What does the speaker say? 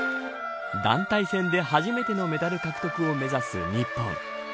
団体戦で初めてのメダル獲得を目指す日本。